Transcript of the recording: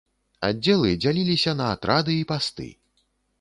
Аддзелы дзяліліся на атрады і пасты.